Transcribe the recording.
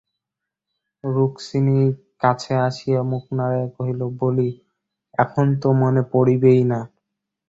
রুক্মিণী কাছে আসিয়া মুখ নাড়িয়া কহিল, বলি, এখন তো মনে পড়িবেই না।